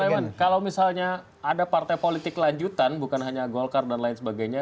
pak iwan kalau misalnya ada partai politik lanjutan bukan hanya golkar dan lain sebagainya